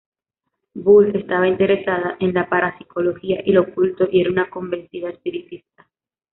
Boole estaba interesada en la parapsicología y lo oculto, y era un convencida espiritista.